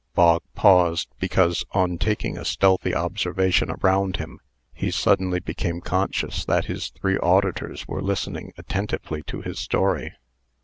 Bog paused, because, on taking a stealthy observation around him, he suddenly become conscious that his three auditors were listening attentively to his story.